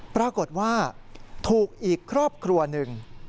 ปรากฏว่าถูกอีกครอบครัวหนึ่ง